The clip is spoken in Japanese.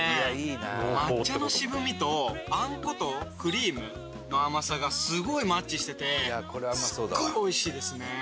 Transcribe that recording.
抹茶の渋みとあんことクリームの甘さがすごいマッチしててすごいおいしいですね。